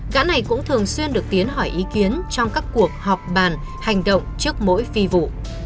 gã này cũng thường xuyên được tiến hỏi ý kiến trong các cuộc họp bàn hành động trước mỗi phi vụ